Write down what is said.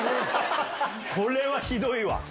これはひどいわ。